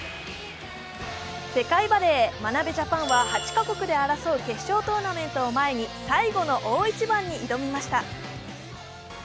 世界バレー、眞鍋ジャパンは８か国で競う決勝トーナメントを前に最後の大一番に挑みました。